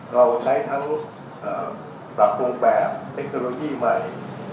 เราใช้ทั้งปรับปรุงแบบเทคโนโลยีใหม่